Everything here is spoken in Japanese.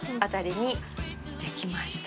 できました。